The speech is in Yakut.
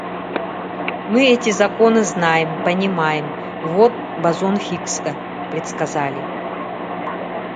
Мы эти законы знаем, понимаем, вот бозон Хиггса предсказали.